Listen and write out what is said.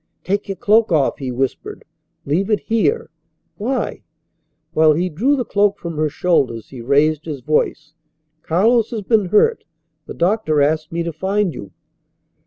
"Take your cloak off," he whispered. "Leave it here." "Why?" While he drew the cloak from her shoulders he raised his voice. "Carlos has been hurt. The doctor asked me to find you."